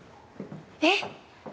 えっ！